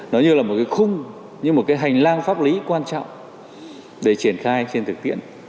nó như là một cái khung như một cái hành lang pháp lý quan trọng để triển khai trên thực tiễn